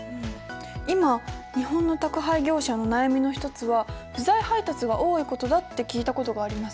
今日本の宅配業者の悩みの一つは不在配達が多いことだって聞いたことがあります。